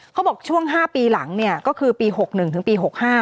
เขาบอกช่วง๕ปีหลังเนี่ยก็คือปี๖๑ถึงปี๖๕